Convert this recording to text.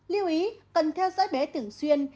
lưu ý cần theo dõi bé tưởng xuyên